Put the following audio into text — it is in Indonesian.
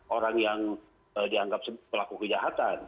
orang yang dianggap pelaku kejahatan